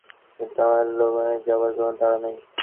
কিন্তু আমার লণ্ডনে যাবার কোন তাড়া নেই।